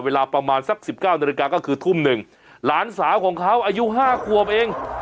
เวลาประมาณสัก๑๙นาฬิกาก็คือทุ่มหนึ่งหลานสาวของเขาอายุ๕ขวบเอง